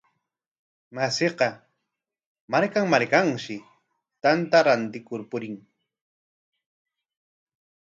Mashiqa markan markanmi tanta rantikur purin.